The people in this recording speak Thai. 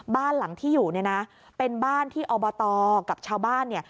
บ้านหลังที่อยู่เนี่ยนะเป็นบ้านที่อบตกับชาวบ้านเนี่ย